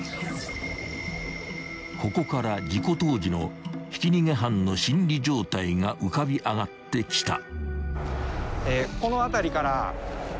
［ここから事故当時のひき逃げ犯の心理状態が浮かび上がってきた］